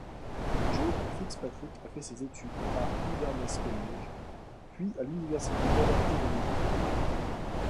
Joe FitzPatrick a fait ses études à Inverness College puis à l'université d'Abertay Dundee.